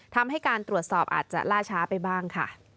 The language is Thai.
ทำให้การตรวจสอบอาจจะล่าช้าไปบ้างค่ะ